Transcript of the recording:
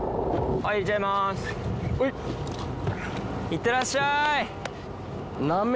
はいいってらっしゃい！